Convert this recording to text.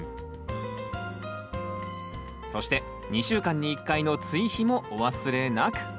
そして２週間に１回の追肥もお忘れなく！